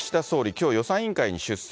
きょう、予算委員会に出席。